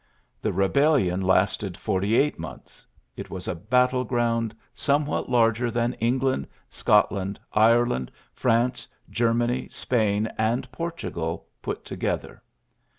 The Eebellion lasted forty eight months. It was a battle ground somewhat larger than England, Scot land, Ireland, France, Germany, Spain, ^ and Portugal put together.